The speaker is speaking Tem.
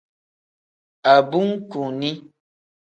Abunkuni.